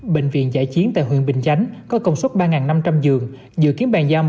bệnh viện giải chiến tại huyện bình chánh có công suất ba năm trăm linh giường dự kiến bàn giao một hai trăm linh